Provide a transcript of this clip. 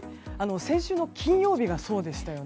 先週の金曜日がそうでしたよね。